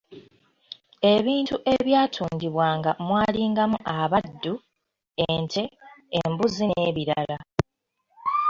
"Ebintu ebyatundibwanga mwalingamu abaddu, ente, embuzi n’ebirala."